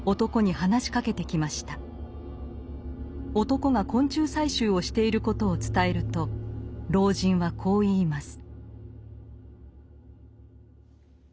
男が昆虫採集をしていることを伝えると老人はこう言います。